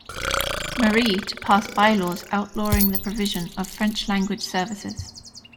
Marie to pass bylaws outlawing the provision of French language services.